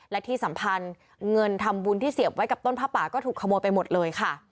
และที่สำคัญเงินทำบุญที่เสียบไว้กับต้นผ้าป่าก็ถูกขโมยไปหมดเลยค่ะ